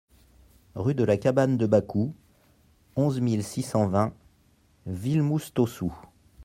Rue de la Cabane de Bacou, onze mille six cent vingt Villemoustaussou